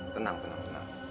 tenang tenang tenang